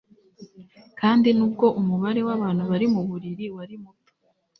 kandi nubwo umubare wabantu bari muburiri wari muto